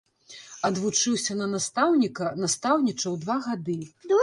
Адвучыўся на настаўніка, настаўнічаў два гады.